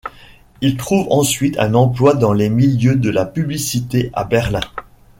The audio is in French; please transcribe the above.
Il trouve ensuite un emploi dans les milieux de la publicité à Berlin.